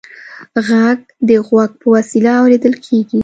غږ د غوږ په وسیله اورېدل کېږي.